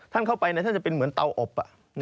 ท่านเข้าไปท่านจะเป็นเหมือนเตาอบ